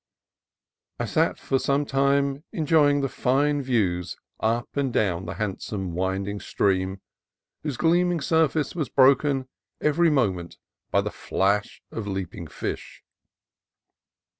I sat some time en joying the fine views up and down the handsome winding stream, whose gleaming surface was broken every moment by the flash of leaping fish.